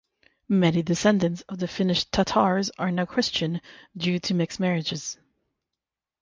Many descendants of the Finnish Tatars are now Christian due to mixed marriages.